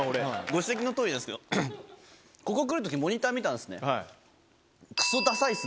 ご指摘のとおりですけど、ここ来るとき、モニター見たんですね。